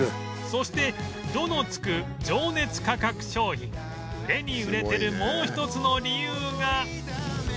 そして「ド」の付く情熱価格商品売れに売れてるもう一つの理由が